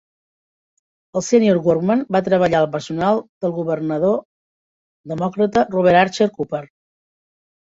El sénior Workman va treballar al personal del governador demòcrata Robert Archer Cooper.